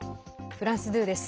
フランス２です。